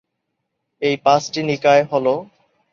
এই পাঁচটি নিকায় হল-